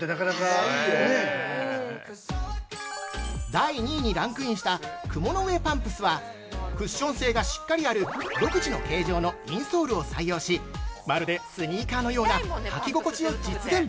◆第２位にランクインした雲の上パンプスはクッション性がしっかりある独自の形状のインソールを採用し、まるで、スニーカーのような履き心地を実現。